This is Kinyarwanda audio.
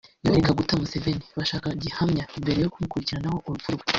Yoweri Kaguta Museveni bashaka “gihamya” mbere yo kumukurikiranaho urupfu rwe